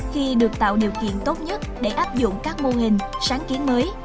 khi được tạo điều kiện tốt nhất để áp dụng các mô hình sáng kiến mới